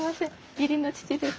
義理の父です。